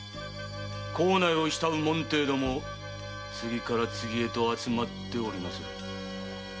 幸内を慕う門弟ども次から次へと集まっておりまする。